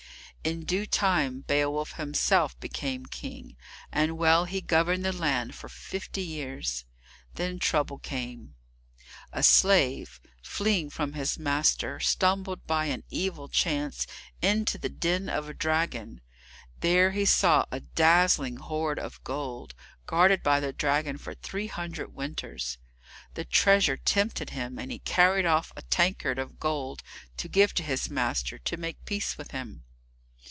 In due time Beowulf himself became King, and well he governed the land for fifty years. Then trouble came. A slave, fleeing from his master, stumbled by an evil chance into the den of a dragon. There he saw a dazzling hoard of gold, guarded by the dragon for three hundred winters. The treasure tempted him, and he carried off a tankard of gold to give to his master, to make peace with him.